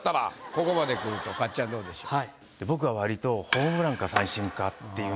ここまでくるとかっちゃんどうでしょう？